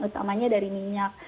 utamanya dari minyak